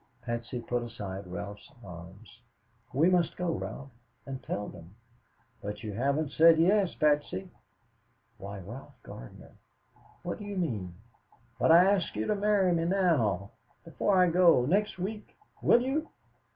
Patsy put aside Ralph's arms. "We must go, Ralph, and tell them." "But you haven't said yes, Patsy." "Why, Ralph Gardner, what do you mean?" "But I asked you to marry me now before I go next week will you?"